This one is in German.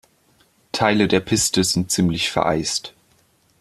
Teile der Piste sind ziemlich vereist.